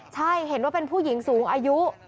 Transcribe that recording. ใช่เห็นว่าเป็นผู้หญิงสูงอายุ